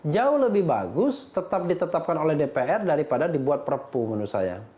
jauh lebih bagus tetap ditetapkan oleh dpr daripada dibuat perpu menurut saya